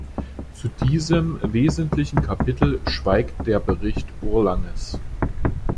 Zu diesem wesentlichen Kapitel schweigt der Bericht Bourlanges.